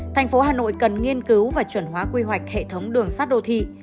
thành phố hà nội cần nghiên cứu và chuẩn hóa quy hoạch hệ thống đường sắt đô thị